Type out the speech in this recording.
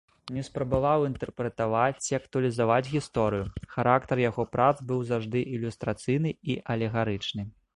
Не спрабаваў інтэрпрэтаваць ці актуалізаваць гісторыю, характар яго прац быў заўжды ілюстрацыйны і алегарычны.